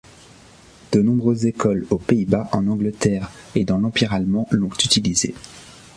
De nombreuses écoles, aux Pays-Bas, en Angleterre et dans l’empire allemand, l’ont utilisé.